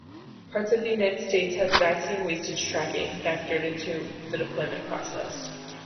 Parts of the United States has vaccine wastage tracking factored into the deployment process.